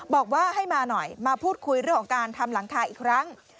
บอกว่าให้มาหน่อยมาพูดคุยเรื่องของการทำหลังคาอีกครั้ง